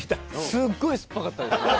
すっごい酸っぱかったです。